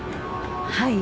はい。